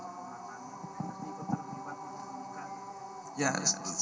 penggi di kata kata